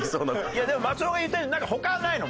いやでも松尾が言ったようになんか他ないの？